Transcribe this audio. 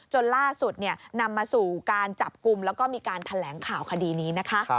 จนล่าสุดนำมาสู่การจับกลุ่มแล้วก็มีการแถลงข่าวคดีนี้นะคะ